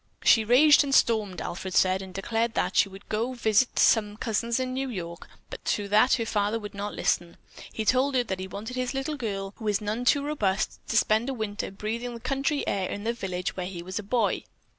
She raged and stormed, Alfred said, and declared that she would go to visit some cousins in New York, but to that her father would not listen. He told her that he wanted his little girl, who is none too robust, to spend a winter breathing the country air in the village where he was a boy.